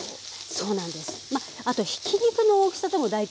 そうなんです。